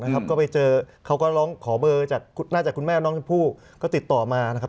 นะครับขอมาเจอนะขอเบอร์นี่ด้วยคุณแม่ของเขาก็ติดต่อมานะครับ